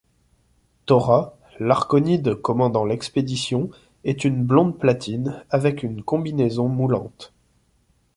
Thora, l'Arkonide commandant l'expédition, est une blonde platine avec une combinaison moulante.